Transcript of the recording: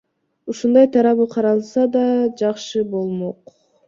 Ушундай тарабы да каралса, жакшы болмок.